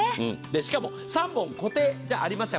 しかも３本固定じゃありません。